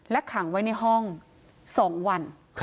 ขังไว้ในห้อง๒วัน